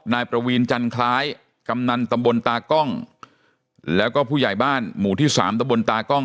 นายประวีนจันคล้ายกำนันตำบลตากล้องแล้วก็ผู้ใหญ่บ้านหมู่ที่สามตะบนตากล้อง